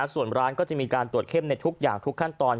ส่วนร้านก็จะมีการตรวจเข้มในทุกอย่างทุกขั้นตอน